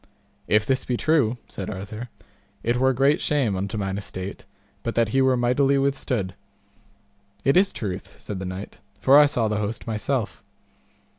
If this be true, said Arthur, it were great shame unto mine estate but that he were mightily withstood. It is truth, said the knight, for I saw the host myself.